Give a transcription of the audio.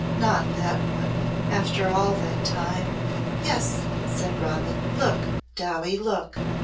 "Not that one after all that time!" "Yes," said Robin. "Look, Dowie look."